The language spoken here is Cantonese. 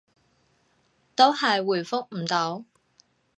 都係回覆唔到